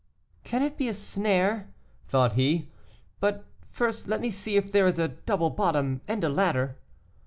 "Can it be a snare?" thought he; "but first let me see if there is a double bottom and a ladder."